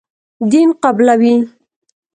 دین قبولوي.